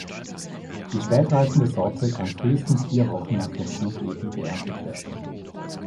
Die spätreifende Sorte kann frühestens vier Wochen nach dem Gutedel geerntet werden.